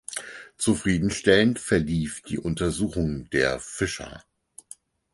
Zufriedenstellend verlief die Untersuchung der Fischa.